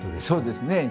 そうですね。